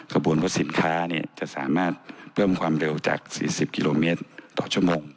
บวนว่าสินค้าจะสามารถเพิ่มความเร็วจาก๔๐กิโลเมตรต่อชั่วโมง